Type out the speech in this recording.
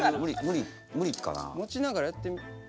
持ちながらやってみて。